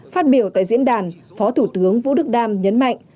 phát biểu tại diễn đàn phó thủ tướng vũ đức đam nhấn mạnh